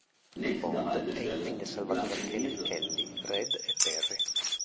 Bond è infine salvato da Kelly Kelly, Red e Perry.